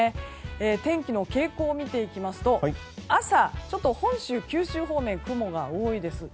天気の傾向を見ていきますと朝、本州、九州方面雲が多いです。